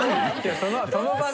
その場で。